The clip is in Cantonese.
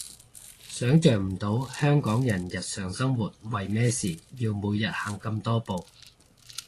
想像唔到香港人日常生活為咩事要每日行咁多步